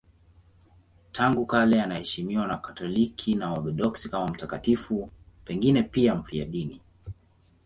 Tangu kale anaheshimiwa na Wakatoliki na Waorthodoksi kama mtakatifu, pengine pia mfiadini.